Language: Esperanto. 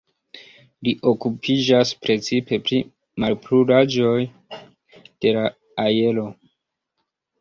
Li okupiĝas precipe pri malpuraĵoj de la aero.